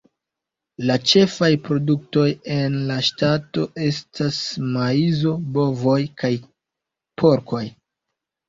La ĉefaj produktoj en la ŝtato estas maizo, bovoj, kaj porkoj.